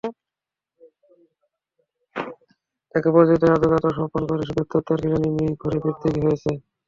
তাঁকে পরাজিত হয়ে আদালতে আত্মসমর্পণ করে ব্যর্থতার গ্লানি নিয়েই ঘরে ফিরতে হয়েছে।